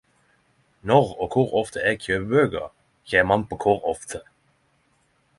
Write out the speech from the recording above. Når og kor ofte eg kjøper bøker kjem an på kor ofte